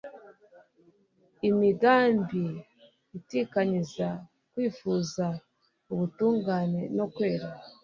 imigambi itikanyiza, kwifuza ubutungane no kwera